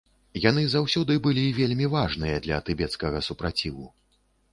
Яны заўсёды былі вельмі важныя для тыбецкага супраціву.